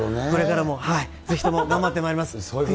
これからも、ぜひとも頑張ってまいります。